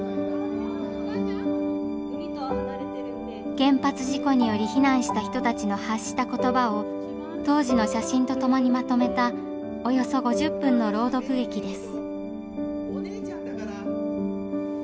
原発事故により避難した人たちの発した言葉を当時の写真とともにまとめたおよそ５０分の朗読劇です。